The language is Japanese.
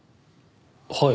はい。